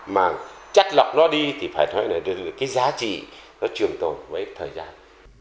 mà chắc lọc nó đi thì phải nói là cái giá trị nó trường tồn với thời gian